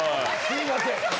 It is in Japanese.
すいません。